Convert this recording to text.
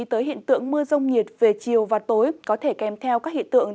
tới hiện tượng mưa rông nhiệt về chiều và tối có thể kèm theo các hiện tượng